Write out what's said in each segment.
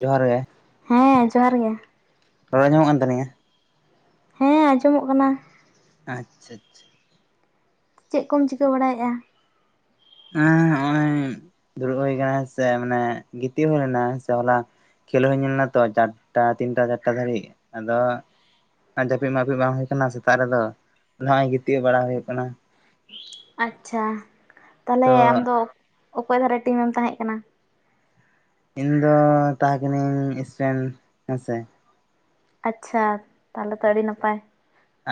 ᱡᱚᱦᱟᱨ ᱜᱮ ᱦᱮᱸ ᱡᱚᱦᱟᱨ ᱜᱮ ᱨᱚᱲ ᱟᱡᱚᱢᱚᱜ ᱠᱟᱱ ᱛᱟᱹᱞᱤᱧᱟᱹ ᱦᱮᱸ ᱟᱸᱡᱚᱢᱚᱜ ᱠᱟᱱᱟ ᱟᱪᱪᱷᱟ ᱟᱪᱪᱷᱟ ᱪᱮᱫ ᱠᱚᱢ ᱪᱤᱠᱟᱹ ᱵᱟᱲᱟᱭᱮᱫᱼᱟ? ᱦᱮᱸ ᱦᱚᱜᱼᱚᱭ ᱫᱩᱲᱩᱵ ᱦᱩᱭ ᱠᱟᱱᱟ ᱥᱮ ᱢᱟᱱᱮ ᱜᱤᱛᱤᱡ ᱦᱩᱭ ᱞᱮᱱᱟ ᱥᱮ ᱦᱚᱞᱟ ᱠᱷᱮᱞᱳ ᱦᱚᱸ ᱧᱮᱞᱱᱟ ᱛᱚ ᱪᱟᱨᱴᱟ ᱛᱤᱱᱴᱟ ᱪᱟᱴᱟ ᱫᱷᱟᱵᱤᱡ ᱟᱫᱚ ᱟᱨ ᱡᱟᱹᱯᱤᱫ ᱢᱟᱹᱯᱤᱫ ᱵᱟᱝ ᱦᱚᱭ ᱠᱟᱱᱟ ᱥᱮᱛᱟᱜ ᱨᱮᱫᱚ ᱱᱚᱜᱚᱭ ᱜᱤᱛᱤᱡ ᱵᱟᱲᱟ ᱦᱩᱭᱩᱜ ᱠᱟᱱᱟ ᱟᱪᱪᱷᱟ ᱛᱟᱦᱚᱞᱮ ᱛᱚ ᱟᱢᱫᱚ ᱚᱠᱚᱭ ᱫᱷᱟᱨᱟ ᱴᱤᱢᱮᱢ ᱛᱟᱦᱮᱸ ᱠᱟᱱᱟ? ᱤᱧ ᱫᱚ ᱛᱟᱦᱮᱸ ᱠᱟᱹᱱᱟᱹᱧ ᱤᱥᱨᱮᱱᱴ ᱦᱮᱸᱥᱮ ᱟᱪᱪᱷᱟ᱾ ᱛᱟᱦᱚᱞᱮ ᱛᱚ ᱟᱹᱰᱤ ᱟᱪᱪᱷᱟ᱾ ᱱᱟᱯᱟᱭ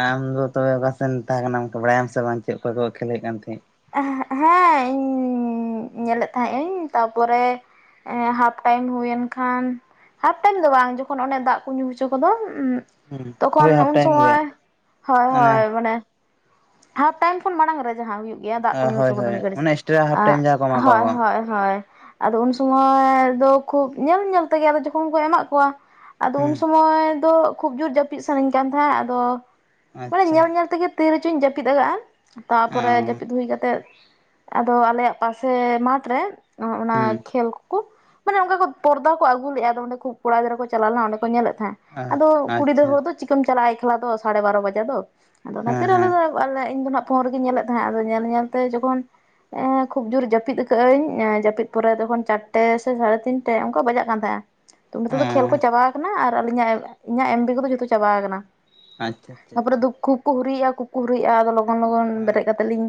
ᱟᱢ ᱫᱚ ᱛᱚᱵᱮ ᱚᱠᱟᱥᱮᱱ ᱛᱟᱦᱮᱸ ᱠᱟᱱᱟᱢ ᱵᱟᱲᱟᱭᱟᱢ ᱥᱮ ᱵᱟᱝ ᱪᱮᱫ ᱚᱠᱚᱭ ᱠᱚ ᱠᱷᱮᱞᱮᱫ ᱛᱟᱦᱮᱸᱫ? ᱦᱮᱸ ᱤᱧ ᱧᱮᱞᱮᱫ ᱛᱟᱦᱮᱸᱫ ᱤᱧ ᱛᱟᱨᱯᱚᱨᱮᱼᱼ ᱦᱟᱯ ᱴᱟᱭᱤᱢ ᱦᱩᱭᱮᱱ ᱠᱷᱟᱱ, ᱦᱟᱯ ᱴᱟᱭᱤᱢ ᱫᱚ ᱵᱟᱝ ᱡᱚᱠᱷᱚᱱ ᱚᱱᱮ ᱫᱟᱜ ᱠᱚ ᱧᱩ ᱦᱚᱪᱚ ᱠᱚᱫᱚ ᱦᱩᱸ ᱛᱚᱠᱷᱚᱱ ᱦᱳᱭ ᱦᱟᱯ ᱩᱱ ᱴᱟᱭᱤᱢ ᱜᱮ ᱥᱚᱢᱚᱭ ᱦᱳᱭ ᱚᱱᱮ ᱦᱳᱭ ᱢᱟᱱᱮᱼᱼ ᱦᱟᱯ ᱴᱟᱭᱤᱢ ᱠᱷᱚᱱ ᱢᱟᱲᱟᱝ ᱨᱮ ᱡᱟᱦᱟᱸ ᱦᱩᱭᱩᱜ ᱜᱮᱭᱟ ᱫᱟᱜ ᱠᱚ ᱧᱩ ᱦᱳᱭ ᱦᱚᱪᱚ ᱠᱚᱫᱚ ᱦᱳᱭ ᱢᱤᱫ ᱜᱷᱟᱹᱲᱤᱡ ᱚᱱᱮ ᱮᱠᱥᱴᱨᱟ ᱦᱟᱯ ᱴᱟᱭᱤᱢ ᱡᱟᱦᱟᱸ ᱠᱚ ᱮᱢᱟ ᱦᱳᱭ ᱠᱚᱣᱟ ᱠᱚ ᱦᱳᱭ ᱦᱳᱭ ᱟᱫᱚ ᱩᱱ ᱥᱚᱢᱚᱭ ᱫᱚ ᱠᱷᱩᱵ ᱧᱮᱞ ᱧᱮᱞ ᱛᱮᱜᱮ ᱡᱚᱠᱷᱚᱱ ᱠᱚ ᱮᱢᱟᱜ ᱠᱚᱣᱟ᱾ ᱟᱫᱚ ᱩᱱ ᱦᱩᱸ ᱥᱚᱢᱚᱭ ᱫᱚ ᱠᱷᱩᱵ ᱡᱳᱨ ᱡᱟᱹᱯᱤᱫ ᱥᱟᱱᱟᱧ ᱠᱟᱱ ᱛᱟᱦᱮᱸᱫ ᱟᱫᱚ ᱢᱟᱱᱮ ᱟᱪᱪᱷᱟ ᱧᱮᱞ ᱧᱮᱞ ᱛᱮᱜᱮᱼᱼ ᱛᱤ ᱨᱮᱪᱚᱧ ᱡᱟᱹᱯᱤᱫ ᱟᱠᱟᱜᱼᱟ, ᱛᱟᱯᱚᱨᱮ ᱚ ᱦᱩᱭ ᱠᱟᱛᱮ ᱟᱫᱚ ᱟᱞᱮᱭᱟᱜ ᱯᱟᱥᱮ ᱢᱟᱴᱷᱨᱮ ᱚᱱᱟ ᱦᱩᱸ ᱠᱷᱮᱞ ᱠᱚᱠᱚᱼᱼ ᱢᱟᱱᱮ ᱚᱱᱠᱟ ᱠᱚ ᱯᱚᱫᱟ ᱠᱚ ᱟᱹᱜᱩ ᱞᱮᱫᱼᱟ ᱚᱸᱰᱮ ᱠᱩ ᱠᱚᱲᱟ ᱜᱤᱫᱨᱟᱹ ᱠᱚ ᱪᱟᱞᱟᱣ ᱞᱮᱱᱟ ᱚᱸᱰᱮ ᱠᱚ ᱧᱮᱫ ᱛᱟᱦᱮᱸᱫ ᱚ ᱟᱫᱚ ᱠᱩᱲᱤ ᱜᱤᱫᱽᱟᱹᱨᱟᱹ ᱟᱪᱪᱷᱟ ᱦᱚᱲ ᱫᱚ ᱪᱤᱠᱟᱹᱢ ᱪᱟᱞᱟᱜᱼᱟ ᱮᱠᱞᱟ ᱫᱚ ᱥᱟᱲᱮ ᱵᱟᱨᱚ ᱵᱟᱡᱟ ᱫᱚ ᱟᱫᱚ ᱚᱱᱟᱛᱮ ᱦᱮᱸ ᱟᱞᱮ ᱦᱮᱸ ᱫᱚᱼᱼ ᱟᱞᱮ ᱤᱧ ᱫᱚ ᱦᱟᱜ ᱯᱷᱳᱱ ᱨᱮᱜᱮᱧ ᱧᱮᱞᱮᱫ ᱛᱟᱦᱮᱸᱫ ᱟᱫᱚ ᱧᱮᱞ ᱧᱮᱞ ᱛᱮ ᱡᱚᱠᱷᱚᱱ, ᱠᱷᱩᱵ ᱡᱳᱨ ᱡᱟᱹᱯᱤᱫ ᱟᱠᱟᱜ ᱟᱹᱧ ᱡᱟᱹᱯᱤᱫ ᱯᱚᱨᱮ ᱛᱚᱠᱷᱚᱱ ᱪᱟᱨᱴᱮ ᱥᱮ ᱥᱟᱲᱮ ᱛᱤᱱᱴᱮ ᱚᱱᱠᱟ ᱵᱟᱡᱟᱜ ᱠᱟᱱ ᱛᱟᱦᱮᱸᱼᱟ ᱛᱚ ᱚ ᱱᱤᱛᱚᱜ ᱫᱚ ᱠᱷᱮᱞ ᱠᱚ ᱪᱟᱵᱟ ᱠᱟᱱᱟ ᱟᱨ ᱟᱹᱞᱤᱧᱟᱜ ᱤᱧᱟᱹᱜ ᱮᱢ ᱵᱤ ᱠᱚᱫᱚ ᱡᱷᱚᱛᱚ ᱪᱟᱵᱟᱣ ᱠᱟᱱᱟ᱾ ᱟᱪᱪᱷᱟ ᱟᱪᱪᱷᱟ ᱛᱟᱯᱚᱨᱮ ᱟᱪᱪᱷᱟ ᱫᱩ ᱠᱩᱠ ᱠᱚ ᱦᱩᱨᱤᱭᱮᱫᱼᱟ ᱠᱩ ᱠᱚ ᱦᱩᱨᱤᱭᱮᱫᱼᱟ ᱟᱫᱚ ᱞᱚᱜᱚᱱ ᱞᱚᱜᱚᱱ ᱦᱮᱸ ᱵᱮᱨᱮᱫ ᱠᱟᱛᱮ ᱞᱤᱧᱼᱼ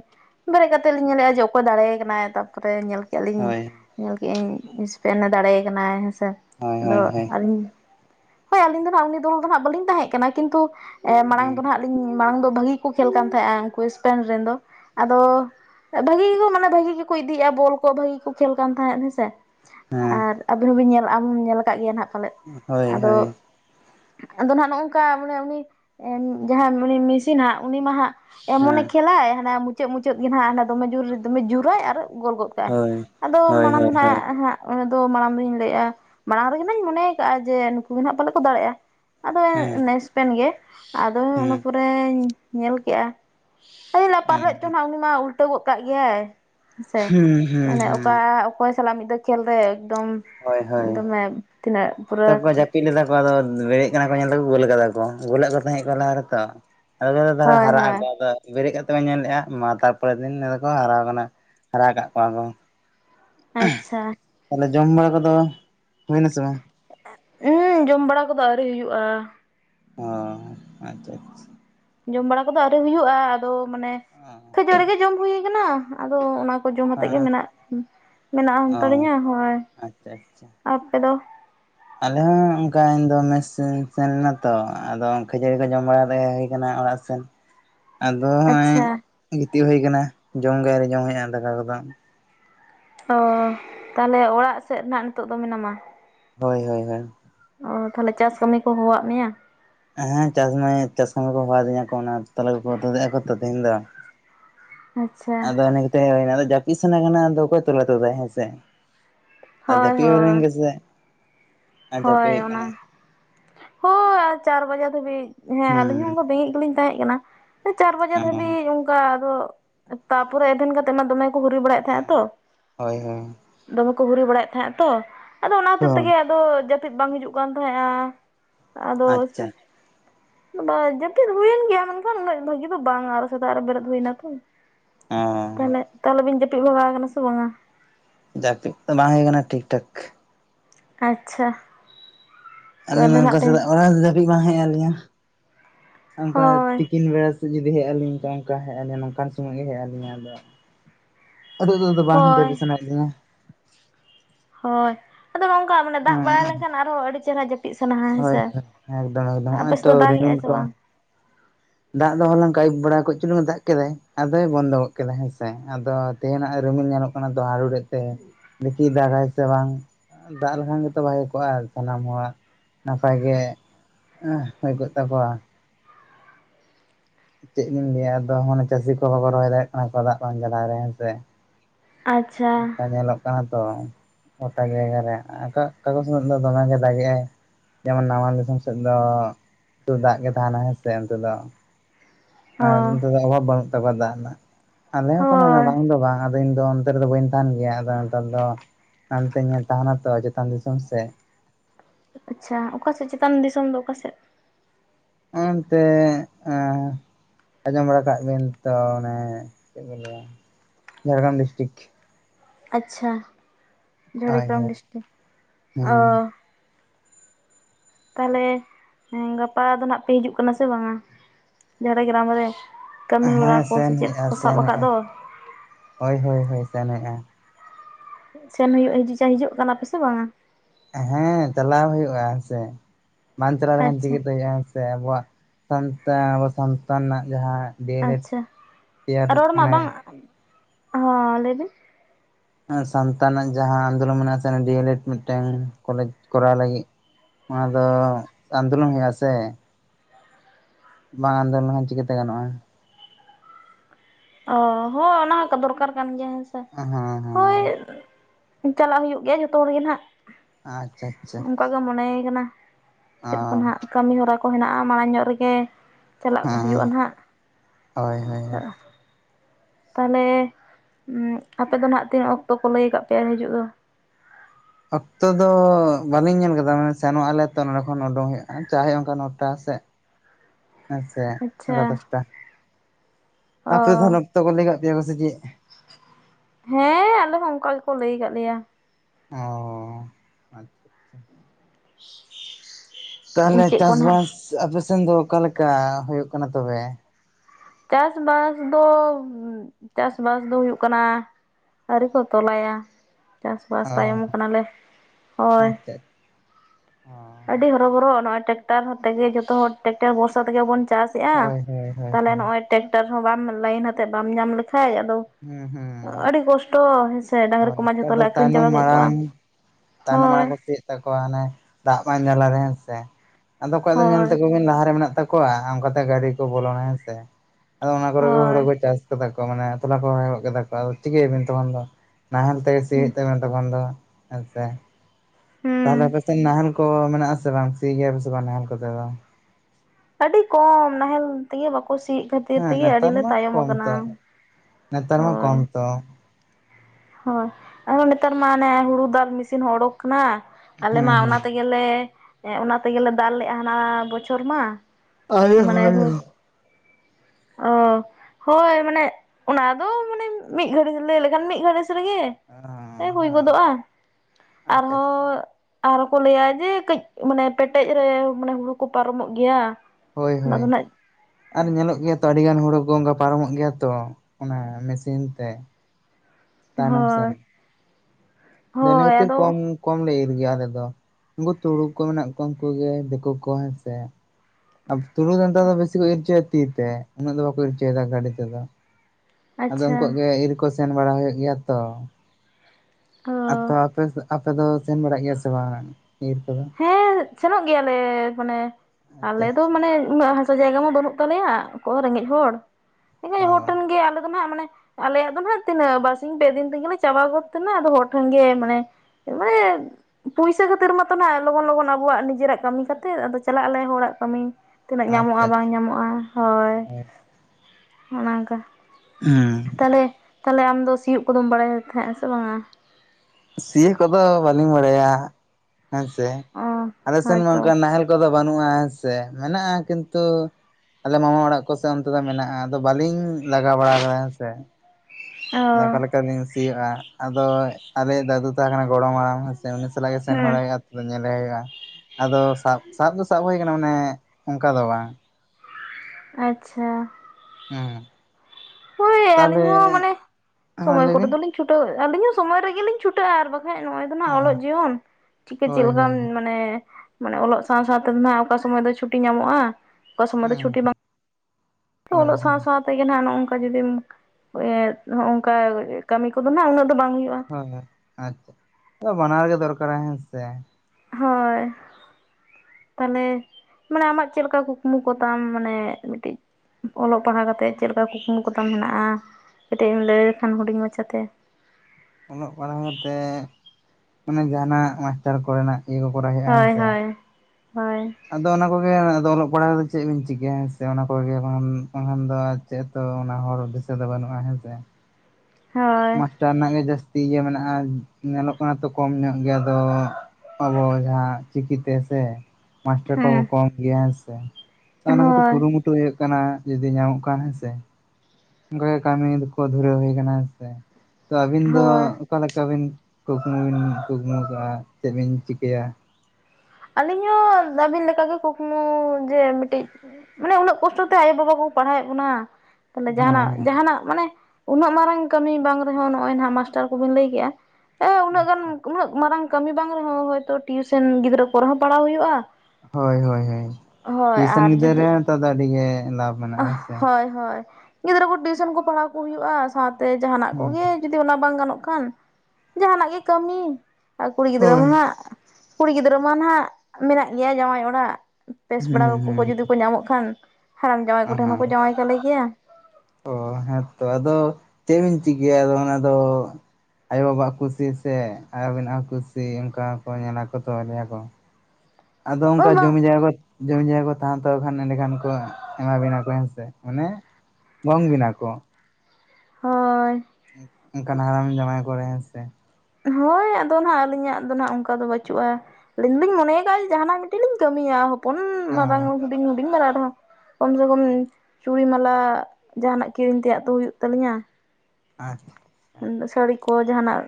ᱵᱮᱨᱮᱫ ᱠᱟᱛᱮᱮᱫ ᱞᱤᱧ ᱧᱮᱞᱮᱜᱼᱟ ᱡᱮ ᱚᱠᱚᱭ ᱫᱟᱲᱮᱭ ᱠᱟᱱᱟᱭ ᱛᱟᱨᱯᱚᱨᱮ ᱧᱮᱞ ᱠᱮᱜᱼᱟ ᱞᱤᱧ ᱦᱳᱭ ᱧᱮᱞ ᱠᱮᱜ ᱤᱧ ᱥᱯᱮᱱᱮ ᱫᱟᱲᱮᱭ ᱠᱟᱱᱟᱭ ᱦᱮᱸᱥᱮ ᱦᱳᱭ ᱟᱫᱚ ᱦᱳᱭ ᱦᱳᱭ ᱟᱞᱤᱧ ᱦᱳᱭ ᱟᱹᱞᱤᱧ ᱫᱚ ᱦᱟᱜ ᱩᱱᱤ ᱫᱚᱞ ᱫᱚ ᱦᱟᱜ ᱵᱟᱹᱞᱤᱧ ᱛᱟᱦᱮᱸ ᱠᱟᱱᱟ ᱠᱤᱱᱛᱩ ᱢᱟᱲᱟᱝ ᱫᱚ ᱦᱟᱜ ᱟᱹᱰᱤ ᱢᱟᱲᱟᱝ ᱫᱚ ᱵᱷᱟᱹᱜ ᱜᱮ ᱠᱚ ᱠᱷᱮᱞ ᱠᱟᱱ ᱛᱟᱦᱮᱸᱫᱼᱟ ᱩᱱᱠᱩ ᱮᱥᱯᱮᱱ ᱨᱮᱱ ᱫᱚ᱾ ᱟᱫᱚ ᱵᱷᱟᱹᱜᱤ ᱠᱚ ᱢᱟᱱᱮ ᱵᱷᱟᱹᱜᱤ ᱜᱮᱠᱚ ᱤᱫᱤᱭᱜᱼᱟ ᱵᱚᱞ ᱠᱚ ᱵᱷᱟᱜᱤ ᱠᱚ ᱠᱷᱮᱞ ᱠᱟᱱ ᱛᱟᱦᱮᱸᱫ ᱦᱮᱸᱥᱮ ᱦᱮᱸ ᱟᱨ ᱟᱹᱵᱤᱱ ᱦᱚᱸᱵᱤᱱ ᱧᱮᱞ ᱟᱢ ᱦᱚᱢ ᱧᱮᱞ ᱠᱟᱜ ᱜᱮᱭᱟ ᱦᱟᱸᱜ ᱯᱟᱞᱮᱫ, ᱦᱳᱭ ᱦᱳᱭ ᱟᱫᱚ ᱦᱮᱸ ᱟᱫᱚ ᱱᱟᱜ ᱦᱟᱜ ᱱᱚᱜᱝᱠᱟ ᱢᱟᱱᱮ ᱩᱱᱤ ᱡᱟᱦᱟᱸ ᱢᱮᱥᱤᱱ ᱦᱟᱜ ᱩᱱᱤ ᱢᱟ ᱦᱟᱸᱜ ᱮᱢᱚᱱᱮ ᱠᱷᱮᱞᱟᱭ ᱦᱟᱱᱮ ᱢᱩᱪᱟᱹᱫ ᱢᱩᱪᱟᱹᱫ ᱜᱮ ᱱᱟᱦᱟᱜ ᱦᱟᱱᱮ ᱫᱚᱢᱮ ᱡᱳᱨ ᱨᱮ ᱫᱚᱢᱮ ᱡᱳᱨᱟᱭ ᱟᱨ ᱜᱚᱞ ᱜᱚᱫ ᱦᱳᱭ ᱟᱫᱚ ᱦᱳᱭ ᱢᱟᱲᱟᱝ ᱦᱳᱭ ᱫᱚ ᱦᱳᱭ ᱱᱟᱟᱸᱜ ᱦᱟᱜ, ᱚᱱᱟ ᱫᱚ ᱢᱟᱲᱟᱝ ᱫᱚᱧ ᱞᱟᱹᱭᱮᱜ-ᱟ ᱢᱟᱲᱟᱝ ᱨᱮᱜᱮ ᱦᱧ ᱢᱚᱱᱮᱭ ᱠᱟᱜ-ᱟ ᱡᱮ ᱱᱩᱠᱩ ᱜᱮ ᱱᱟᱜ ᱯᱟᱞᱮᱱ ᱠᱚ ᱫᱟᱲᱮᱭᱟᱜ-ᱟ᱾ ᱟᱫᱚ ᱦᱩᱸ ᱱᱮᱥᱯᱮᱱ ᱜᱮ ᱟᱫᱚ ᱚᱱᱟ ᱦᱩᱸ ᱯᱚᱨᱮᱧ ᱧᱮᱞ ᱠᱮᱜᱼᱟ, [unintelligible] ᱦᱩᱸ ᱯᱟᱨᱮᱡ ᱪᱚ ᱱᱟᱦᱟᱜ ᱩᱱᱤ ᱢᱟ ᱩᱞᱴᱟᱹᱣ ᱜᱚᱫ ᱠᱟᱜ ᱜᱮᱭᱟᱭ᱾ ᱦᱮᱸᱥᱮ ᱦᱩᱸ ᱟᱱᱮ ᱚᱠᱟ ᱦᱩᱸ ᱚᱠᱚᱭ ᱥᱟᱞᱟᱜ ᱢᱤᱫ ᱫᱷᱟᱣ ᱠᱷᱮᱞ ᱨᱮ ᱮᱠᱫᱚᱢ ᱦᱳᱭ [inaudible] ᱪᱤᱫ ᱞᱮᱫᱟ ᱠᱚ ᱟᱫᱚ ᱵᱮᱨᱮᱫ ᱠᱟᱱᱟ ᱠᱚ ᱧᱮᱞ ᱮᱫᱟᱠᱚ ᱜᱳᱞ ᱠᱟᱫᱟ ᱠᱚ ᱜᱳᱞ ᱟᱫ ᱠᱚ ᱛᱟᱦᱮᱸᱫ ᱠᱚᱣᱟ ᱞᱟᱦᱟ ᱨᱮᱛᱚ, ᱟᱫᱚ ᱛᱟᱦᱚᱞᱮ ᱦᱳᱭ ᱦᱟᱨᱟᱜ ᱦᱳᱭ ᱟᱠᱚ ᱟᱫᱚ ᱵᱮᱨᱮᱫ ᱠᱟᱛᱮ ᱵᱚᱱ ᱧᱮᱞ ᱞᱮᱫᱼᱟ ᱢᱟ ᱛᱟᱨᱯᱚᱨᱮᱨ ᱫᱤᱱ ᱫᱚᱠᱚ ᱦᱟᱨᱟ ᱟᱠᱟᱱᱟ ᱦᱟᱨᱟ ᱠᱟ ᱠᱚᱣᱟ ᱠᱚ ᱾ ᱟᱪᱪᱷᱟ, ᱛᱟᱦᱚᱞᱮ ᱡᱚᱢ ᱵᱟᱲᱟ ᱠᱚᱫᱚ ᱦᱩᱭᱱᱟ ᱥᱮ ᱵᱟᱝ? ᱡᱚᱢ ᱵᱟᱲᱟ ᱠᱚᱫᱚ ᱟᱹᱣᱨᱤ ᱦᱩᱭᱩᱜᱼᱟ᱾ ᱚ ᱟᱪᱪᱷᱟ ᱟᱪᱪᱷᱟ᱾ ᱡᱚᱢ ᱵᱟᱲᱟ ᱠᱚᱫᱚ ᱟᱹᱣᱨᱤ ᱦᱩᱭᱩᱜᱼᱟ ᱟᱫᱚ ᱢᱟᱱᱮ ᱠᱷᱟᱡᱮᱨᱤ ᱜᱮ ᱡᱚᱢ ᱦᱩᱭ ᱠᱟᱱᱟ᱾ ᱟᱫᱚ ᱚᱱᱟ ᱠᱚ ᱡᱚᱢ ᱢᱟᱛᱮᱫ ᱜᱮ ᱢᱮᱱᱟᱜ ᱢᱮᱱᱟᱜ ᱚ ᱚ ᱦᱟᱛᱟᱲᱤᱧᱟ ᱦᱳᱭ᱾ ᱟᱪᱪᱷᱟ ᱟᱪᱪᱷᱟ ᱟᱯᱮᱫᱚ? ᱟᱞᱮ ᱦᱚᱸ ᱚᱱᱠᱟ ᱤᱧᱫᱚ ᱢᱮᱥ ᱤᱧ ᱥᱮᱱᱞᱮᱱᱟ ᱛᱚ ᱟᱫᱚ ᱠᱷᱟᱹᱡᱟᱹᱲᱤ ᱠᱚ ᱡᱚᱢ ᱵᱟᱲᱟ ᱠᱟᱛᱮ ᱠᱟᱱᱟ ᱚᱲᱟᱜ ᱥᱮᱱ ᱟᱫᱚ ᱦᱚᱜ-ᱚᱭ ᱟᱪᱪᱷᱟ ᱜᱤᱛᱤᱡ ᱦᱩᱭ ᱟᱠᱟᱱᱟ ᱡᱚᱢ ᱜᱮ ᱟᱭᱨᱤ ᱡᱚᱢ ᱦᱩᱭᱩᱜ ᱟ ᱫᱟᱠᱟ ᱠᱚᱫᱚ᱾ ᱚ ᱛᱟᱦᱚᱞᱮ ᱚᱲᱟᱜ ᱥᱮᱫ ᱨᱮᱦᱟᱜ ᱱᱤᱛᱚᱜ ᱫᱚ ᱢᱮᱱᱟᱢᱟ? ᱦᱳᱭ ᱦᱳᱭ ᱦᱳᱭ, ᱚ ᱛᱟᱦᱚᱞᱮ ᱪᱟᱥ ᱠᱟᱹᱢᱤ ᱠᱚ ᱦᱚᱦᱚᱣᱟᱜ ᱢᱮᱭᱟ᱾ [inaudible] ᱟᱪᱪᱷᱟ ᱟᱫᱚ ᱤᱱᱟᱹ ᱠᱟᱛᱮᱫ ᱦᱮᱡ ᱦᱳᱭᱱᱟ ᱟᱫᱚ ᱡᱟᱹᱯᱤᱫ ᱥᱟᱱᱟ ᱠᱟᱱᱟ ᱟᱫᱚ ᱚᱠᱚᱭ ᱛᱚᱞᱟ ᱛᱳᱫᱟᱭ ᱦᱮᱸᱥᱮ ᱾ ᱟ ᱦᱳᱭ ᱡᱟᱹᱯᱤᱫ ᱦᱩᱭ ᱞᱮᱱ ᱦᱳᱭ ᱜᱮᱥᱮ᱾ ᱟᱨ ᱡᱟᱹᱯᱤᱫ ᱦᱳᱭ ᱦᱩᱭᱩᱜ ᱠᱟᱱᱟ ᱚᱱᱟ, ᱦᱳᱭ ᱟᱨ ᱪᱟᱨ ᱵᱟᱡᱟ ᱫᱷᱟᱹᱵᱤᱡ ᱦᱮᱸ ᱟᱞᱤᱧ ᱦᱩᱸ ᱦᱚᱸ ᱚᱱᱠᱟ ᱵᱮᱸᱜᱮᱡ ᱜᱮᱞᱤᱧ ᱛᱟᱦᱮᱸ ᱠᱟᱱᱟ ᱪᱟᱨ ᱵᱟᱡᱟ ᱫᱷᱟᱹᱵᱤᱡ ᱚᱱᱠᱟ ᱟᱫᱚ ᱛᱟᱨᱯᱚᱨᱮ ᱮᱵᱷᱮᱱ ᱠᱟᱛᱮᱜ ᱢᱟ ᱫᱚᱢᱮ ᱠᱚ [inaudible] ᱵᱟᱲᱟᱭᱮᱫ ᱛᱟᱦᱮ ᱟ ᱛᱚ, ᱦᱳᱭ ᱦᱳᱭ ᱫᱚᱢᱮ ᱠᱚ ᱦᱩᱨᱤ ᱵᱟᱲᱟᱭᱮᱫ ᱛᱟᱦᱮᱸᱜᱼᱟ ᱛᱚ ᱟᱫᱚ ᱚᱱᱟ ᱦᱚᱛᱮᱜ ᱦᱚᱸ ᱛᱮᱜᱮ ᱟᱫᱚ ᱡᱟᱹᱯᱤᱫ ᱵᱟᱝ ᱦᱤᱡᱩᱜ ᱠᱟᱱ ᱛᱟᱦᱮᱸᱼᱟ, ᱟᱫᱚ ᱟᱪᱪᱷᱟ ᱵᱟ ᱡᱟᱹᱯᱤᱫ ᱦᱩᱭᱮᱱ ᱜᱮᱭᱟ ᱢᱮᱱᱠᱷᱟᱱ ᱩᱱᱟᱹᱜ ᱵᱷᱟᱹᱜᱤ ᱫᱚ ᱵᱟᱝ ᱟᱨ ᱥᱮᱛᱟᱜ ᱨᱮ ᱵᱮᱨᱮᱫ ᱦᱩᱭᱱᱟ ᱛᱚ᱾ ᱚ ᱛᱟᱦᱚᱞᱮ ᱛᱟᱦᱚᱞᱮ ᱵᱤᱱ ᱡᱟᱹᱯᱤᱫ ᱵᱷᱜᱟᱟᱣ ᱠᱟᱱᱟ ᱥᱮ ᱵᱟᱝᱟ? ᱡᱟᱹᱯᱨᱤ ᱛᱚ ᱵᱟᱝ ᱦᱩᱭ ᱠᱟᱱᱟ ᱴᱷᱤᱠ ᱴᱷᱟᱠ᱾ ᱟᱪᱪᱷᱟ, [inaudible] ᱡᱩᱫᱤ ᱛᱟᱦᱚᱞᱮ ᱱᱟᱜ ᱛᱮᱦᱮᱧ ᱦᱮᱡ ᱦᱳᱭ ᱟᱹᱞᱤᱧ ᱠᱷᱟᱱ ᱚᱱᱠᱟ ᱱᱚᱝᱠᱟᱱ ᱥᱚᱢᱚᱭ ᱜᱮ ᱦᱮᱡ ᱟᱞᱤᱧᱟ ᱟᱫᱚ᱾ ᱟᱫᱚ ᱟᱫᱚ ᱵᱟᱝ ᱦᱳᱭ ᱡᱟᱹᱯᱤᱫ ᱥᱟᱱᱟᱭᱮᱫ ᱞᱤᱧᱟ᱾ [unintelligible] ᱟᱫᱚ ᱱᱚᱝᱠᱟ ᱢᱟᱱᱮ ᱫᱟᱜ ᱵᱟᱲᱟ ᱦᱳᱭ ᱞᱮᱱᱠᱷᱟᱱ ᱟᱨᱦᱚᱸ ᱟᱹᱰᱤ ᱪᱮᱦᱨᱟ ᱡᱟᱹᱯᱤᱫ ᱥᱟᱱᱟᱣᱟ ᱦᱳᱭ ᱦᱮᱸᱥᱮ᱾ ᱮᱠᱫᱚᱢ ᱮᱠᱫᱚᱢ ᱱᱚᱜᱼᱚᱭ ᱟᱯᱮ ᱫᱚ ᱛᱚ ᱫᱟᱜ ᱨᱤᱢᱤᱞ ᱮᱜᱟᱭ ᱥᱮ ᱠᱚ᱾ ᱵᱟᱝ ᱫᱟᱜ ᱫᱚ ᱦᱚᱞᱟ ᱱᱚᱝᱠᱟ ᱟᱹᱭᱩᱵ ᱵᱮᱲᱟ ᱠᱚᱡ ᱪᱩᱞᱝ ᱫᱟᱜ ᱠᱮᱫᱟᱭ ᱟᱫᱚᱭ ᱵᱚᱱᱫᱚ ᱜᱚᱫ ᱠᱮᱫᱟ ᱦᱮᱸᱥᱮ, ᱟᱫᱚ ᱛᱮᱦᱮᱱᱟᱜ ᱨᱤᱢᱤᱞ ᱧᱮᱞᱚᱜ ᱠᱟᱱᱟ ᱛᱚ ᱦᱟᱰᱦᱩᱰᱮᱡ ᱛᱟᱦᱮᱱ ᱫᱤᱠᱷᱤᱭ ᱫᱟᱜᱟᱭ ᱥᱮ ᱵᱟᱝ᱾ ᱫᱟᱜ ᱞᱮᱠᱷᱟᱱ ᱜᱮᱛᱚ ᱵᱷᱟᱜᱮ ᱠᱚᱜ-ᱟ᱾ ᱥᱟᱱᱟᱢ ᱦᱚᱲᱟᱜ ᱱᱟᱯᱟᱭᱜ ᱜᱮ ᱦᱩᱭ ᱠᱚᱜ ᱛᱟᱠᱚᱣᱟ ᱪᱤᱫ ᱞᱤᱧ ᱞᱟᱹᱭᱟ ᱟᱫᱚ ᱢᱟᱱᱮ ᱪᱟᱹᱥᱤ ᱠᱚ ᱵᱟᱠᱚ ᱨᱚᱦᱚᱭ ᱫᱟᱲᱮᱭᱟᱜ ᱠᱟᱱᱟ ᱠᱚ ᱫᱟᱜ ᱵᱟᱝ ᱡᱟᱞᱟ ᱨᱮ ᱦᱮᱸ ᱥᱮ ᱟᱪᱪᱷᱟ ᱚᱱᱠᱟ ᱧᱮᱞᱚᱜ ᱛᱟᱦᱟᱸ ᱛᱚ ᱜᱚᱴᱟ ᱡᱟᱭᱜᱟ ᱨᱮ, [unintelligible] ᱡᱮᱢᱚᱱ ᱱᱟᱢᱟᱞ ᱫᱤᱥᱚᱢ ᱥᱮᱫ ᱫᱚ ᱛᱩᱫᱟᱜ ᱜᱮ ᱛᱟᱦᱮᱱᱟ ᱦᱮᱸ ᱥᱮ ᱚᱱᱛᱮ ᱫᱚ ᱚ ᱟᱨ ᱱᱤᱛᱚᱜ ᱫᱚ ᱟᱵᱟᱨ ᱵᱟᱨ ᱛᱟᱵᱟᱨ ᱫᱟᱜ ᱫᱟ ᱟᱞᱮ ᱠᱟᱱᱟᱞᱮ ᱦᱳᱭ ᱵᱟᱝ ᱫᱚ ᱵᱟᱝ ᱤᱧ ᱫᱚ ᱚᱱᱛᱮ ᱨᱮᱫᱚ ᱵᱟᱹᱧ ᱛᱟᱦᱮᱱ ᱜᱮᱭᱟ ᱟᱫᱚ ᱱᱮᱛᱟᱨ ᱫᱚ ᱦᱟᱱᱛᱮᱧ ᱛᱟᱦᱮᱱᱟ ᱛᱚ ᱪᱮᱛᱟᱱ ᱫᱤᱥᱚᱢ ᱥᱮᱫ ᱟᱪᱪᱷᱟ ᱚᱠᱟᱥᱮᱫ ᱪᱮᱛᱟᱱ ᱫᱤᱥᱚᱢ ᱫᱚ ᱚᱠᱟᱥᱮᱫ? ᱟᱱᱛᱮ ᱮ ᱟᱸᱡᱚᱢ ᱵᱟᱲᱟ ᱠᱟᱜ ᱜᱮᱭᱟᱵᱤᱱ ᱛᱚ ᱚᱱᱮ ᱪᱮᱫ ᱵᱤᱱ ᱞᱟᱹᱭᱟ ᱡᱷᱟᱲᱜᱨᱟᱢ ᱰᱤᱥᱴᱤᱠ ᱟᱪᱪᱷᱟ, ᱦᱳᱭ ᱡᱷᱟᱲᱜᱨᱟᱢ ᱦᱳᱭ ᱰᱤᱥᱴᱤᱠ ᱚ ᱦᱮᱸ ᱛᱟᱦᱚᱞᱮ ᱮ ᱜᱟᱯᱟ ᱫᱚ ᱱᱟᱜ ᱯᱮ ᱦᱤᱡᱩᱜ ᱠᱟᱱᱟ ᱥᱮ ᱵᱟᱝ-ᱟ ᱡᱷᱟᱲᱜᱨᱟᱢ ᱨᱮ? ᱠᱟᱹᱢᱤᱦᱚᱨᱟ ᱦᱮᱸ ᱠᱚ ᱥᱮ ᱥᱮᱱ ᱪᱮᱫ ᱦᱩᱭᱩᱜᱼᱟ ᱠᱚ ᱥᱟᱵ ᱥᱮᱱ ᱟᱠᱟᱫ ᱦᱩᱭᱩᱜᱼᱟ ᱫᱚ, ᱦᱳᱭ ᱦᱳᱭ ᱦᱳᱭ ᱥᱮᱱᱮᱜᱼᱟ ᱾ ᱥᱮᱱ ᱦᱩᱭᱩᱜ ᱦᱟ ᱦᱤᱡᱩᱜ ᱠᱟᱱᱟ ᱯᱮᱥᱮ ᱵᱟᱝᱟ? ᱦᱮᱸ ᱪᱟᱞᱟᱣ ᱦᱩᱭᱩᱜᱼᱟ ᱟᱨᱪᱮ ᱵᱟᱝᱢ ᱪᱟᱞᱟᱣ ᱞᱮᱠᱷᱟᱱ ᱟᱪᱪᱷᱟ ᱪᱤᱠᱟᱹᱛᱮ ᱦᱩᱭᱩᱜᱼᱟ ᱥᱮ ᱟᱵᱚᱣᱟᱜ ᱥᱟᱱᱛᱮ ᱟᱵᱚ ᱥᱟᱱᱛᱟ ᱨᱮᱱᱟᱜ ᱡᱟᱦᱟᱸ ᱰᱤᱭᱮᱞᱮᱰ ᱟᱪᱪᱷᱟ ᱛᱮᱭᱟᱨ ᱨᱚᱲᱢᱟ ᱢᱟᱱᱮ ᱵᱟᱝ ᱦᱚᱸ ᱞᱟᱹᱭ ᱵᱤᱱ ᱮ ᱥᱟᱱᱛᱟ ᱱᱟᱜ ᱡᱟᱦᱟᱸ ᱟᱱᱫᱳᱞᱚᱱ ᱢᱮᱱᱟᱜᱼᱟ ᱚᱱᱟ ᱰᱤᱭᱮᱞᱟᱭᱤᱴ ᱢᱤᱫᱴᱮᱱ ᱠᱚᱞᱮᱡᱽ ᱠᱚᱨᱟᱣ ᱞᱟᱹᱜᱤᱫ ᱚᱱᱟ ᱫᱚ ᱟᱱᱫᱳᱞᱚᱱ ᱦᱩᱭᱩᱜ ᱟ ᱥᱮ ᱵᱟᱝ ᱟᱸᱫᱳᱲ ᱞᱮᱱᱠᱷᱟᱱ ᱪᱤᱠᱟᱹᱛᱮ ᱜᱟᱱᱚᱜᱼᱟ ᱚ ᱦᱚᱸ ᱚᱱᱟ ᱠᱚ ᱫᱚᱨᱠᱟᱨ ᱠᱟᱱ ᱜᱮᱭᱟ ᱦᱮᱸ ᱥᱮ ᱮᱦᱮᱸ ᱦᱮᱸ ᱦᱳᱭ ᱪᱟᱞᱟᱜ ᱦᱩᱭᱩᱜ ᱜᱮᱭᱟ ᱡᱚᱛᱚ ᱦᱚᱲ ᱜᱮ ᱱᱟᱜ ᱟᱪᱪᱷᱟ ᱟᱪᱪᱷᱟ ᱱᱮᱭ ᱠᱟᱱᱟ ᱚ ᱪᱮᱫ ᱠᱚ ᱱᱟᱱᱟᱜ ᱠᱟᱹᱢᱤᱦᱚᱨᱟ ᱠᱚ ᱦᱮᱱᱟᱜᱼᱟ ᱢᱟᱲᱟᱝ ᱧᱚᱜ ᱨᱮᱜᱮ ᱪᱟᱞᱟᱜ ᱦᱮᱸ ᱦᱩᱭᱩᱜᱼᱟ ᱱᱟᱦᱟᱜ ᱦᱳᱭ ᱦᱳᱭ ᱛᱟᱦᱚᱞᱮ ᱟᱯᱮ ᱫᱚ ᱦᱱᱟᱜ ᱛᱤᱱᱟᱹᱜ ᱚᱠᱛᱚ ᱠᱚ ᱞᱟᱹᱭ ᱟᱠᱟᱫ ᱯᱮᱭᱟ ᱦᱤᱡᱩᱜ ᱫᱚ? ᱚᱠᱛᱚ ᱫᱚ ᱵᱟᱞᱤᱧ ᱧᱮᱞ ᱠᱟᱫᱟ ᱢᱟᱱᱮ ᱥᱮᱱᱚᱜ ᱟᱞᱮ ᱛᱚ ᱱᱚᱸᱰᱮ ᱠᱷᱚᱱ ᱩᱰᱩᱠ ᱦᱩᱭᱩᱜᱼᱟ ᱪᱟᱦᱮ ᱦᱩᱭᱩᱜ ᱚᱱᱠᱟ ᱱᱚᱴᱟ ᱥᱮᱫ [inaudible] ᱦᱮᱥᱮ ᱟᱪᱪᱷᱟ ᱥᱟᱲᱮ ᱫᱚᱥᱴᱟ ᱚ ᱟᱯᱮ ᱫᱚ ᱛᱟᱦᱞᱮ ᱛᱚ ᱠᱚ ᱞᱟᱹᱭ ᱠᱟᱜ ᱯᱮᱭᱟ ᱥᱮ ᱪᱮᱫ ᱦᱮᱸ ᱟᱞᱮ ᱦᱚᱸ ᱚᱱᱠᱟ ᱜᱮᱠᱚ ᱞᱟᱹᱭ ᱠᱟᱜ ᱞᱮᱭᱟ ᱚᱻ ᱛᱟᱦᱚᱞᱮ ᱪᱮᱫ ᱠᱚ ᱱᱟᱦᱟᱜ ᱪᱟᱥᱵᱟᱥ ᱟᱯᱮ ᱥᱮᱱ ᱫᱚ ᱚᱠᱟᱞᱮᱠᱟ ᱦᱩᱭᱩᱜ ᱠᱟᱱᱟ ᱛᱚᱵᱮ? ᱪᱟᱥᱵᱟᱥ ᱫᱚ ᱪᱟᱥ ᱵᱟᱥ ᱫᱚ ᱦᱩᱭᱩᱜ ᱠᱟᱱᱟ ᱟᱹᱨᱤ ᱠᱚ ᱛᱚᱞᱟᱭᱟ ᱪᱟᱥᱵᱟᱥ ᱚ ᱛᱟᱭᱚᱢ ᱠᱟᱱᱟᱞᱮ ᱦᱳᱭ ᱟᱪᱪᱷᱟ ᱚ ᱟᱰᱤ ᱦᱚᱨᱚᱵᱚᱨᱚ ᱱᱚᱜ ᱚᱭ ᱴᱮᱠᱴᱟᱨ ᱛᱮᱜᱮ ᱡᱚᱛᱚ ᱦᱚᱲ ᱴᱮᱠᱴᱟᱨ ᱵᱷᱚᱥᱟ ᱛᱮᱜᱮ ᱵᱚᱱ ᱪᱟᱥ ᱛᱮᱼᱟ ᱦᱳᱭ ᱦᱳᱭ ᱦᱳᱭ ᱛᱟᱦᱚᱞᱮ ᱦᱳᱭ ᱱᱚᱜᱼᱚᱭ ᱴᱮᱠᱴᱟᱨ ᱦᱚᱸ ᱵᱟᱢ ᱞᱟᱭᱤᱱ ᱟᱛᱮ ᱵᱟᱢ ᱧᱟᱢ ᱞᱮᱠᱷᱟ ᱟᱫᱚ ᱦᱩᱸ ᱦᱩᱸ ᱟᱹᱰᱤ ᱠᱚᱥᱴᱚ ᱦᱮ ᱥᱮ ᱰᱟᱝᱨᱤ ᱦᱳᱭ ᱠᱚᱢᱟ ᱚᱠᱟ ᱡᱷᱚᱛᱚ ᱞᱮ ᱟᱹᱠᱷᱨᱤᱧ ᱪᱟᱵᱟ ᱠᱮᱫ ᱠᱚᱣᱟ ᱛᱟᱱᱢᱟᱱ ᱦᱳᱭ ᱠᱚᱥᱤᱫ ᱛᱟᱠᱚᱣᱟ ᱦᱟᱱᱮ ᱫᱟᱜ ᱵᱟᱝᱡᱟᱞᱟ ᱦᱮᱸ ᱥᱮ ᱟᱫᱚ ᱠᱚᱭ ᱫᱚ ᱧᱮᱞ ᱦᱳᱭ ᱛᱟᱠᱚ ᱵᱮᱱ ᱞᱟᱦᱟᱨ ᱨᱮ ᱢᱮᱱᱟᱜ ᱛᱟᱠ ᱠᱚᱜᱟ ᱟ ᱚᱱᱠᱟᱛᱮ ᱜᱟᱹᱰᱤ ᱠᱚ ᱵᱚᱞᱚᱱᱟ ᱦᱮᱸᱥᱮ ᱟᱫᱚ ᱚᱱᱟ ᱠᱚᱨᱮ ᱜᱮ ᱦᱳᱭ ᱦᱩᱲᱩ ᱠᱚ ᱪᱟᱥ ᱟᱠᱟᱫᱟ ᱠᱚ ᱢᱟᱱᱮ ᱛᱚᱞᱟ ᱠᱚ ᱨᱚᱦᱚᱭ ᱜᱚᱜ ᱠᱮᱫᱟ ᱠᱚ ᱟᱫᱚ ᱪᱤᱠᱟᱹᱭᱟᱵᱤᱱ ᱛᱚᱠᱷᱚᱱ ᱫᱚ ᱱᱟᱦᱮᱞ ᱛᱮᱜᱮ ᱥᱤᱭᱳ ᱦᱩᱸ ᱦᱩᱭᱩᱜ ᱛᱟᱵᱮᱱ ᱛᱚᱠᱷᱚᱱ ᱫᱚ ᱦᱮᱸ ᱥᱮ ᱦᱩᱸ ᱛᱟᱦᱚᱞᱮ ᱟᱯᱮᱥᱮᱫ ᱱᱟᱦᱮᱞ ᱠᱚ ᱢᱮᱱᱟᱜᱼᱟ ᱟᱥᱮ ᱵᱟᱝ ᱥᱤ ᱜᱮᱭᱟᱯᱮᱥᱮ ᱵᱟᱝ ᱱᱟᱦᱮᱞ ᱠᱚᱛᱮᱫ ᱫᱚ? ᱟᱹᱰᱤ ᱠᱚᱢ ᱱᱟᱦᱮᱞ ᱛᱮᱜᱮ ᱵᱟᱠᱚ ᱥᱤᱭᱮᱫ ᱠᱷᱟᱹᱛᱤᱨ ᱦᱮᱸ ᱛᱮᱜᱮ ᱟᱹᱰᱤ ᱱᱮᱛᱟᱨ ᱞᱮ ᱢᱟ ᱛᱟᱭᱚᱢ ᱠᱚᱢ ᱟᱠᱟᱱᱟ ᱛᱚ ᱱᱮᱛᱟᱨ ᱢᱟ ᱠᱚᱢ ᱦᱳᱭ ᱛᱚᱣ ᱦᱳᱭ ᱟᱫᱚᱸ ᱱᱮᱛᱟᱨ ᱢᱟ ᱚᱱᱮ ᱦᱩᱲᱩ ᱫᱟᱞ ᱢᱮᱥᱤᱱ ᱦᱚᱸ ᱚᱰᱳᱠ ᱠᱟᱱᱟ ᱟᱞᱮ ᱦᱩᱸ ᱢᱟ ᱚᱱᱟ ᱦᱩᱸ ᱛᱮᱜᱮᱞᱮ ᱚᱱᱟ ᱛᱮᱜᱮᱞᱮ ᱫᱟᱞ ᱞᱮᱜᱼᱟ ᱦᱟᱱᱟ ᱵᱚᱪᱷᱚᱨ ᱢᱟ᱾ ᱟᱭᱳ ᱢᱟᱱᱮ ᱦᱳᱭ ᱦᱩᱼᱼ ᱚ ᱚ ᱦᱳᱭ ᱢᱟᱱᱮ ᱚᱱᱟ ᱫᱚ ᱢᱟᱱᱮ ᱢᱤᱫ ᱜᱷᱟᱹᱲᱤᱡ, ᱞᱟᱹᱭ ᱞᱮᱠᱷᱟᱱ ᱢᱤᱫ ᱜᱷᱟᱹᱲᱤ, ᱛᱤᱨᱮᱜᱮ ᱦᱩᱭ ᱦᱚᱸ ᱜᱚᱫᱚᱜᱼᱟ ᱟᱪᱪᱷᱟ ᱟᱪᱪᱷᱟ ᱟᱨᱦᱚᱸ ᱟᱨ ᱠᱚ ᱞᱟᱹᱭᱟ ᱡᱮ ᱠᱟᱹᱡ ᱢᱟᱱᱮ ᱯᱮᱴᱮᱡ ᱨᱮ ᱢᱟᱱᱮ ᱦᱩᱲᱩ ᱠᱚ ᱯᱟᱨᱚᱢᱚᱜ ᱜᱮᱭᱟ᱾ ᱦᱳᱭ ᱚᱱᱟ ᱦᱳᱭ ᱫᱚ ᱱᱟᱜ ᱟᱨ ᱧᱮᱞᱚᱜ ᱜᱮᱭᱟ᱾ ᱛᱚ ᱟᱹᱰᱤ ᱜᱟᱱ ᱦᱩᱲᱩ ᱠᱚ ᱚᱝᱜᱟ ᱯᱟᱨᱚᱢᱚᱜ ᱜᱮᱭᱟ ᱛᱚ ᱚᱱᱟ ᱢᱮᱥᱤᱱ ᱛᱮ ᱛᱟᱭᱱᱚᱢ ᱦᱳᱭ ᱥᱮᱱ᱾ ᱱᱮᱭᱱᱮ ᱦᱳᱭ ᱠᱷᱟᱹᱛᱤᱨ ᱟᱫᱚ ᱠᱚᱢᱼᱼ ᱠᱚᱢ ᱞᱮ ᱤᱨ ᱜᱮᱭᱟ ᱟᱞᱮ ᱫᱚ ᱩᱱᱠᱩ ᱛᱩᱲᱩᱠ ᱠᱚ ᱢᱮᱱᱟᱜ ᱠᱚᱣᱟ ᱩᱱᱠᱩ ᱜᱮ ᱫᱤᱠᱩ ᱠᱚ ᱦᱮᱸ ᱥᱮ᱾ ᱟᱨ ᱛᱩᱲᱩᱡ ᱫᱚ ᱱᱮᱛᱟᱨ ᱫᱚ ᱵᱮᱥᱤ ᱠᱚ ᱤᱨᱪᱚᱭᱟ ᱛᱤ ᱛᱮ ᱩᱱᱟᱹᱜ ᱫᱚ ᱵᱟᱠᱚ ᱤᱨᱪᱚᱭᱮᱫᱟ ᱜᱟᱹᱰᱤ ᱛᱮᱫᱚ᱾ ᱟᱫᱚ ᱩᱱᱠᱩᱭᱟᱜ ᱟᱪᱪᱷᱟ ᱜᱮ ᱤᱨ ᱠᱚ ᱥᱮᱱ ᱵᱟᱲᱟ ᱦᱩᱭᱩᱜ, ᱜᱮᱭᱟ ᱛᱚ᱾ ᱟ ᱛᱚ ᱚ ᱟᱯᱮ ᱥᱮᱫ ᱟᱯᱮ ᱫᱚ ᱥᱮᱱ ᱵᱟᱲᱟᱜ ᱜᱮᱭᱟ ᱥᱮ ᱵᱟᱝ ᱤᱨ ᱠᱚᱫᱚ? ᱦᱮᱸ ᱥᱮᱱᱚᱜ ᱜᱮᱭᱟᱞᱮ ᱢᱟᱱᱮ ᱟᱪᱪᱷᱟ ᱟᱪᱪᱷᱟ ᱟᱞᱮ ᱫᱚ ᱢᱟᱱᱮ ᱩᱱᱟᱹᱜᱼᱼ ᱛᱚ ᱡᱟᱭᱜᱟ ᱢᱟ ᱵᱟᱹᱱᱩᱜ ᱛᱟᱞᱮᱭᱟ ᱠᱚ ᱨᱮᱸᱜᱮᱡ ᱦᱚᱲ ᱚ ᱨᱮᱸᱜᱮᱡ ᱦᱚᱲ ᱴᱷᱮᱱ ᱜᱮ ᱟᱞᱮ ᱫᱚ ᱱᱟᱦᱟᱜ ᱢᱟᱱᱮᱼᱼ ᱟᱞᱮᱭᱟᱜ ᱫᱚ ᱱᱟᱦᱟᱜ ᱛᱤᱱᱟᱹᱜ ᱵᱟᱨᱥᱤᱧ ᱯᱮ ᱫᱤᱱ ᱛᱮᱜᱮᱞᱮ ᱪᱟᱵᱟ ᱜᱚᱫ ᱛᱮᱦᱮᱱᱟ ᱟᱫᱚ ᱦᱚᱲ ᱴᱷᱮᱱ ᱜᱮ ᱢᱟᱱᱮᱼᱼ ᱢᱮ ᱯᱩᱭᱥᱟ ᱠᱷᱟᱹᱛᱤᱨᱡᱟ ᱛᱚ ᱱᱟᱜ ᱞᱚᱜᱚᱱ ᱞᱚᱜᱚᱱ ᱟᱵᱚᱣᱟᱜ ᱱᱤᱡᱮᱨᱟᱜ ᱠᱟᱹᱢᱤ ᱠᱟ ᱠᱟᱛᱮᱫ ᱟᱫᱚ ᱪᱟᱞᱟᱜ ᱟᱞᱮ ᱦᱚᱲᱟᱜ ᱠᱟᱹᱢᱤ᱾ ᱛᱤᱱᱟᱹᱜ ᱟᱪᱪᱷᱟ ᱧᱟᱢᱚᱜᱼᱟ ᱵᱟᱝ ᱟᱪᱪᱷᱟ ᱧᱟᱢᱚᱜᱼᱟ ᱦᱳᱭ ᱦᱮᱸ ᱚᱱᱮ ᱚᱱᱠᱟ᱾ ᱦᱮᱸ ᱛᱟᱦᱚᱞᱮ ᱛᱟᱦᱚᱞᱮ ᱟᱢᱫᱚ ᱥᱤᱭᱳᱜ ᱠᱚᱫᱚᱢ ᱵᱟᱲᱟᱭ ᱛᱟᱦᱮᱸᱫᱼᱟ ᱥᱮ ᱵᱟᱝᱟ? ᱥᱤᱭᱟᱹ ᱠᱚᱫᱚ ᱵᱟᱹᱞᱤᱧ ᱵᱟᱲᱟᱭᱟ ᱦᱮᱸᱥᱮ ᱚ ᱟᱞᱮ ᱥᱮᱱ ᱢᱟ ᱦᱳᱭᱛᱚ ᱚᱱᱠᱟ ᱱᱟᱦᱮᱞᱼᱼ ᱠᱚᱫᱚ ᱵᱟᱹᱱᱩᱜᱼᱟ ᱦᱮᱸ ᱥᱮ ᱢᱮᱱᱟᱜᱼᱟ ᱠᱤᱱᱛᱩᱼᱼ ᱟᱞᱮ ᱢᱟᱢᱟ ᱚᱲᱟᱜ ᱠᱚᱥᱮ ᱚᱱᱛᱮ ᱫᱚ ᱢᱮᱱᱟᱜᱼᱟ ᱟᱫᱚ ᱵᱟᱹᱞᱤᱧ ᱞᱟᱜᱟᱣ ᱵᱟᱲᱟ ᱠᱟᱫᱟ ᱦᱮᱸ ᱥᱮ᱾ ᱚ ᱟᱫᱚ ᱚᱠᱟᱮᱠᱟᱞᱤᱧ ᱥᱤᱭᱟᱹᱜᱼᱟ ᱟᱫᱚ ᱟᱞᱮᱭᱮᱜ ᱫᱟᱫᱩ ᱛᱟᱦᱮᱸ ᱠᱟᱱᱟᱭ ᱜᱚᱲᱚᱢ ᱦᱟᱲᱟᱢᱼᱼ ᱥᱮᱱ ᱩᱱᱤ ᱥᱟᱞᱟᱜ ᱜᱮ ᱥᱮᱱ ᱦᱮᱸ ᱵᱟᱲᱟᱭ ᱜᱮᱭᱟ ᱟᱫᱚ ᱧᱮᱞᱮ ᱦᱩᱭᱩᱜᱼᱟ ᱟᱫᱚ ᱥᱟᱵ ᱥᱟᱵ ᱫᱚ ᱥᱟᱵ ᱦᱩᱭ ᱟᱠᱟᱱᱟ ᱢᱟᱱᱮ ᱚᱱᱠᱟ ᱫᱚ ᱵᱟᱝ᱾ ᱟᱪᱪᱷᱟ ᱦᱩᱸ ᱦᱳᱭ ᱛᱟᱦᱚᱞᱮ ᱟᱹᱞᱤᱧ ᱦᱚᱸ ᱢᱟᱱᱮ ᱦᱮᱸ ᱥᱚᱢᱚᱭ ᱞᱟᱹᱭ ᱠᱚᱨᱮ ᱵᱤᱱ ᱫᱚᱞᱤᱧ ᱪᱷᱴᱟᱹᱣ ᱟᱹᱞᱤᱧ ᱦᱚᱸ ᱥᱚᱢᱚᱭ ᱨᱮᱜᱮᱞᱤᱧ ᱪᱷᱩᱴᱟᱹᱜᱼᱟ ᱟᱨ ᱵᱟᱠᱷᱟᱱᱡ ᱱᱚᱜᱼᱚᱭ ᱚᱞᱚᱜ ᱦᱮᱸ ᱡᱤᱭᱚᱱ ᱪᱤᱠᱟᱹ ᱪᱮᱫ ᱦᱳᱭ ᱞᱮᱠᱟᱢ ᱦᱳᱭ ᱢᱟᱱᱮᱼᱼ ᱢᱟᱱᱮ ᱚᱞᱚᱜ ᱥᱟᱶ ᱥᱟᱶ ᱛᱮᱫᱚ ᱦᱟᱜ ᱚᱠᱟ ᱥᱚᱢᱚᱭ ᱫᱚ ᱪᱷᱩᱴᱤ ᱧᱟᱢᱚᱜ-ᱟ, ᱚᱠᱟ ᱥᱚᱢᱚᱭ ᱫᱚ ᱪᱷᱩᱴᱤ ᱦᱮᱸ ᱵᱟᱝ ᱦᱳᱭ ᱚᱞᱚᱜ ᱥᱟᱶ ᱦᱳᱭ ᱥᱟᱶ ᱛᱮᱜᱮ ᱱᱟᱦᱟᱜ ᱱᱚᱜ ᱱᱚᱝᱠᱟ ᱡᱩᱫᱤᱢ ᱱᱚᱜ ᱱᱚᱝᱠᱟ ᱠᱟᱹᱢᱤ ᱠᱚᱫᱚ ᱱᱟᱜ ᱩᱱᱟᱹᱜ ᱫᱚ ᱵᱟᱝ ᱦᱩᱭᱩᱜ-ᱟ᱾ ᱦᱳᱭ ᱦᱳᱭ ᱟᱪᱪᱷᱟ ᱵᱟᱱᱟᱨ ᱜᱮ ᱫᱚᱨᱠᱟᱨᱟ ᱦᱮᱸ ᱥᱮ᱾ ᱦᱳᱭ ᱛᱟᱦᱚᱞᱮ ᱢᱟᱱᱮ ᱟᱢᱟᱜ ᱪᱮᱫ ᱞᱮᱠᱟ ᱠᱩᱠᱢᱩ ᱠᱚᱛᱟᱢ ᱢᱟᱱᱮ ᱢᱤᱫᱴᱤᱡ? ᱚᱞᱚᱜ ᱯᱟᱲᱦᱟᱣ ᱠᱟᱛᱮᱫ ᱪᱮᱫ ᱞᱮᱠᱟ ᱠᱩᱠᱢᱩ ᱠᱚᱛᱟᱢ ᱢᱮᱱᱟᱜ-ᱟ, ᱠᱟᱹᱴᱤᱡ ᱮᱢ ᱞᱟᱹᱭ ᱞᱮᱠᱷᱟᱱ ᱦᱩᱰᱤᱧ ᱢᱟᱪᱷᱟᱛᱮ? ᱚᱞᱚᱜ ᱯᱟᱲᱦᱟᱣ ᱠᱟᱛᱮ ᱢᱟᱱᱮ ᱡᱟᱦᱟᱸᱱᱟᱜ ᱢᱟᱥᱴᱟᱨ ᱠᱚᱨᱮᱱᱟᱜ ᱤᱭᱟᱹ ᱠᱚ ᱠᱚᱨᱟᱣ ᱦᱳᱭ ᱦᱳᱭ ᱦᱳᱭ᱾ ᱟᱫᱚ ᱚᱱᱟ ᱠᱚᱜᱮ ᱟᱫᱚ ᱚᱞᱚᱜ ᱯᱟᱲᱦᱟᱣ ᱪᱮᱫ ᱵᱤᱱ ᱪᱤᱠᱟᱹᱭᱟ ᱦᱮᱸ ᱥᱮ ᱚᱱᱟ ᱠᱚᱜᱮ ᱵᱟᱠᱷᱟᱱ ᱵᱟᱝᱠᱷᱟᱱ ᱫᱚ ᱪᱮᱫ ᱛᱚ ᱚᱱᱟ ᱦᱚᱨ ᱫᱤᱥᱟᱹ ᱫᱚ ᱵᱟᱹᱱᱩᱜ-ᱟ ᱦᱮᱸ ᱥᱮ᱾ ᱦᱳᱭ ᱴᱟᱨ ᱨᱮᱱᱟᱜ ᱜᱮ ᱡᱟᱹᱥᱛᱤ ᱤᱭᱟᱹ ᱢᱮᱱᱟᱜ-ᱟ ᱧᱮᱞᱚᱜ ᱠᱟᱱᱟ ᱛᱚ ᱠᱚᱢ ᱧᱚᱜ ᱜᱮᱭᱟ ᱟᱫᱚ ᱟᱵᱚ ᱡᱟᱦᱟᱸ ᱪᱤᱠᱤᱛᱮ ᱥᱮ ᱢᱟᱥᱴᱟᱨ ᱠᱚᱠᱚ ᱦᱮᱸ ᱠᱚᱢ ᱜᱮᱭᱟ ᱦᱮᱸ ᱥᱮ ᱚᱱᱟ ᱠᱷᱟᱹᱛᱤᱨ ᱦᱳᱭ ᱠᱩᱨᱩᱢᱩ ᱴᱩ ᱦᱩᱭᱩᱜ ᱠᱟᱱᱟ ᱡᱩᱫᱤ ᱧᱟᱢᱚᱜ ᱠᱟᱱ ᱦᱮᱸ ᱥᱮ ᱚᱱᱠᱟ ᱜᱮ ᱠᱟᱹᱢᱤ ᱫᱚᱠᱚ ᱫᱷᱩᱨᱟᱹᱣ ᱦᱩᱭ ᱠᱟᱱᱟ᱾ ᱛᱚ ᱟᱹᱵᱤᱱ ᱫᱚ? ᱦᱳᱭ ᱚᱠᱟᱞᱮᱠᱟᱵᱤᱱ ᱠᱩᱠᱢᱩ ᱵᱤᱱ ᱠᱩᱠᱢᱩ ᱠᱟᱜ-ᱟ ᱪᱮᱫ ᱵᱤᱱ ᱪᱤᱠᱟᱹᱭᱟ? ᱟᱹᱞᱤᱧ ᱦᱚᱸ ᱟᱵᱤᱱ ᱞᱮᱠᱟ ᱠᱩᱠᱢᱩ ᱡᱮ ᱢᱤᱫᱴᱤᱡ ᱢᱟᱱᱮ ᱩᱱᱟᱹᱜ ᱠᱚᱥᱴᱚ ᱛᱮ ᱟᱭᱳ ᱵᱟᱵᱟ ᱠᱚ ᱯᱟᱲᱦᱟᱣᱮᱫ ᱵᱚᱱᱟ ᱛᱟᱦᱚᱞᱮ ᱦᱮᱸ ᱡᱟᱦᱱᱟᱜ ᱦᱮᱸ ᱡᱟᱦᱟᱱᱟᱜ ᱢᱟᱱᱮ ᱩᱱᱟᱹᱜ ᱢᱟᱨᱟᱝ ᱠᱟᱹᱢᱤ ᱵᱟᱝ ᱨᱮᱦᱚᱸ ᱱᱚᱜ-ᱚᱭ ᱱᱟᱜ ᱢᱟᱥᱴᱟᱨ ᱠᱚᱵᱤᱱ ᱞᱟᱹᱭ ᱠᱮᱫ-ᱟ᱾ ᱩᱱᱟᱹᱜ ᱜᱟᱱ ᱟᱪᱪᱷᱟ ᱩᱱᱟᱹᱜ ᱢᱟᱨᱟᱝ ᱠᱟᱹᱢᱤ ᱵᱟᱝ ᱨᱮᱦᱚᱸᱭ ᱴᱤᱭᱩᱥᱚᱱ ᱜᱤᱫᱽᱨᱟᱹ ᱠᱚᱨᱮ ᱦᱚᱸ ᱯᱟᱲᱦᱟᱣ ᱦᱩᱭᱩᱜ-ᱟ᱾ ᱦᱳᱭ ᱦᱳᱭ ᱦᱳᱭ ᱴᱤᱭᱩᱥᱚᱱ ᱜᱤᱫᱽᱨᱟᱹ ᱨᱮ ᱡᱩᱫᱤ ᱱᱮᱛ ᱫᱚ ᱟᱹᱰᱤ ᱜᱮ ᱞᱟᱵᱷ ᱢᱮᱱᱟᱜᱼᱟ ᱦᱮᱸ ᱥᱮ ᱦᱳᱭ ᱦᱳᱭ ᱜᱤᱫᱽᱨᱟᱹᱠᱩ ᱴᱤᱭᱩᱥᱚᱱ ᱠᱚ ᱯᱟᱲᱦᱟᱣ ᱠᱚ ᱦᱩᱭᱩᱜ-ᱟ ᱥᱟᱶᱛᱮ ᱡᱟᱦᱟᱸᱟᱱᱟᱜ ᱦᱮᱸ ᱠᱚᱜᱮ ᱡᱩᱫᱤ ᱚᱱᱟ ᱵᱟᱝ ᱜᱟᱱᱚᱜ ᱠᱷᱟᱱ ᱡᱟᱦᱟᱱᱟᱜ ᱜᱮ ᱠᱟᱹᱢᱤ ᱟᱨ ᱠᱩᱲᱤ ᱜᱤᱫᱽᱨᱟᱹ ᱦᱳᱭ ᱢᱟ ᱦᱟᱸᱜ ᱠᱩᱲᱤ ᱜᱤᱫᱽᱨᱟᱹ ᱢᱟ ᱱᱟᱦᱟᱜ ᱢᱮᱱᱟᱜ ᱜᱮᱭᱟ ᱡᱟᱶᱟᱭ ᱚᱲᱟᱜ ᱯᱮᱥ ᱵᱟᱲᱟ ᱦᱩᱸ ᱠᱚ ᱦᱩᱸ ᱡᱩᱫᱤ ᱠᱚ ᱧᱟᱢᱚᱜ ᱠᱷᱟᱱ ᱦᱟᱲᱟᱢ ᱡᱟᱶᱟᱭ ᱠᱚᱴᱷᱮᱱ ᱦᱚᱸᱠᱚ ᱡᱟᱶᱟᱭ ᱠᱟᱞᱮ ᱜᱮᱭᱟ᱾ ᱚ ᱦᱮᱸᱛᱚ ᱟᱫᱚ ᱪᱮᱫ ᱵᱤᱱ ᱪᱤᱠᱟᱹ ᱟᱫᱚ ᱜᱮᱭᱟᱫᱚ ᱚᱱᱟᱫᱚ ᱟᱭᱳ ᱵᱟᱵᱟᱣᱟᱜ ᱠᱩᱥᱤ ᱥᱮ ᱟᱵᱱᱟᱜ ᱦᱚᱸ ᱠᱩᱥᱤ ᱚᱱᱠᱟ ᱠᱚ ᱧᱮᱞᱟ ᱠᱚ ᱛᱚ ᱞᱟᱹᱭ ᱠᱚ ᱟᱫᱚ ᱚ ᱚᱱᱠᱟ ᱵᱟᱝ ᱡᱚᱢᱤ ᱡᱟᱭᱜᱟ ᱠᱚ ᱡᱚᱢᱤ ᱡᱟᱭᱜᱟ ᱠᱚ ᱛᱟᱦᱮᱸ ᱦᱟᱛᱟᱣ ᱠᱚ ᱠᱷᱟᱱ ᱮᱸᱰᱮᱠᱷᱟᱱ ᱠᱚ ᱮᱢᱟ ᱵᱤᱱᱟ ᱠᱚ ᱦᱮᱸᱥ ᱢᱟᱱᱮ ᱜᱚᱝ ᱵᱤᱱᱟ ᱠᱚ᱾ ᱦᱳᱭ ᱚᱱᱠᱟ ᱦᱟᱨᱟᱢ ᱡᱚᱢᱟᱭ ᱠᱚᱨᱮ ᱦᱮᱸ ᱥᱮ ᱦᱳᱭ ᱟ ᱫᱚ ᱱᱟᱦᱟᱜ ᱟᱹᱞᱤᱧᱟᱜ ᱫᱚ ᱦᱟᱜ ᱚᱱᱠᱟ ᱫᱚ ᱵᱟᱹᱪᱩᱜ-ᱟ᱾ ᱟᱹᱞᱤᱧ ᱫᱚᱞᱤᱧ ᱢᱚᱱᱮᱭ ᱠᱟᱜ-ᱟ ᱡᱟᱦᱟᱱᱟᱜ ᱢᱤᱫᱴᱤᱱ ᱞᱤᱧ ᱠᱟᱹᱢᱤᱭᱟ ᱦᱚᱯᱚᱱ ᱚ ᱢᱟᱨᱟᱝ ᱦᱩᱰᱤᱧ ᱦᱩᱰᱤᱧ ᱵᱮᱲᱟ ᱨᱮᱦᱚᱸ ᱠᱚᱢᱥᱮ ᱠᱚᱢ ᱪᱩᱲᱤ ᱢᱟᱞᱟ ᱡᱟᱦᱟᱱᱟᱜ ᱠᱤᱨᱤᱧ ᱛᱮᱭᱟᱜ ᱫᱚ ᱦᱩᱭᱩᱜ ᱛᱟᱹᱞᱤᱧᱟ᱾ ᱟᱪᱪᱷᱟ ᱥᱟᱹᱲᱤ ᱠᱚ ᱡᱟᱦᱟᱱᱟᱜ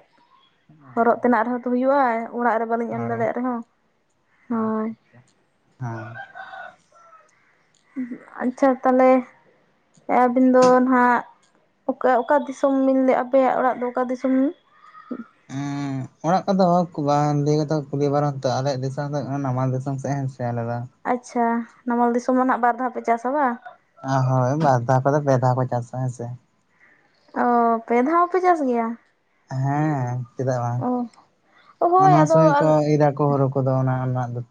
ᱦᱚᱨᱚᱜ ᱛᱮᱱᱟᱜ ᱨᱮᱦᱚᱸ ᱛᱚ ᱦᱩᱭᱩᱜ-ᱟ ᱚᱲᱟᱜ ᱨᱮ ᱵᱟᱹᱞᱤᱧ ᱮᱢ ᱦᱳᱭ ᱫᱟᱲᱮᱭᱟᱜ ᱨᱮᱦᱚᱸ ᱦᱳᱭ ᱦᱩᱭ ᱟᱪᱪᱷᱟ ᱛᱟᱦᱚᱞᱮ ᱟᱹᱵᱤᱱ ᱫᱚ ᱱᱟᱦᱟᱜ ᱚᱠᱟ ᱚᱠᱟ ᱫᱤᱥᱚᱢ, ᱵᱤᱱ ᱞᱟᱹᱭᱮᱫ ᱟᱯᱮᱭᱟᱜ ᱚᱲᱟᱜ ᱫᱚ ᱚᱠᱟ ᱫᱤᱥᱚᱢ? [inaudible] ᱮᱸ ᱚᱲᱟᱜ ᱠᱚᱫᱚ ᱞᱟᱹᱭ ᱠᱟᱛᱮ ᱠᱩᱞᱤ ᱵᱟᱨᱚ ᱟᱞᱮ ᱫᱤᱥᱚᱢ ᱫᱚ ᱱᱟᱢᱟᱞ ᱫᱤᱥᱚᱢ ᱥᱮᱫ ᱥᱮᱱ ᱞᱮᱫᱟ᱾ ᱟᱪᱪᱷᱟ ᱱᱟᱢᱟᱞ ᱫᱤᱥᱚᱢ ᱨᱮ ᱵᱟᱨ ᱫᱷᱟᱣ ᱯᱮ ᱪᱟᱥ ᱟᱵᱟ ᱦᱳᱭ ᱵᱟᱨ ᱫᱷᱟᱣ ᱠᱚᱫᱚ ᱫᱷᱟ ᱠᱚ ᱪᱟᱥ ᱟ ᱦᱮᱸ ᱥᱮ ᱚ ᱯᱮ ᱫᱷᱟᱣ ᱦᱚᱸᱯᱮ ᱪᱟᱥ ᱜᱮᱭᱟ? ᱦᱮᱸ ᱪᱮᱫᱟᱜ ᱵᱟᱝ ᱚ ᱦᱳᱭ ᱱᱚᱣᱟ ᱟᱫᱚ ᱥᱚᱢᱚᱭ ᱠᱚ ᱤᱨ ᱠᱚ ᱦᱚᱨ ᱠᱚᱫᱚ ᱚᱱᱟ ᱨᱮᱱᱟᱜ ᱫᱚᱼᱼ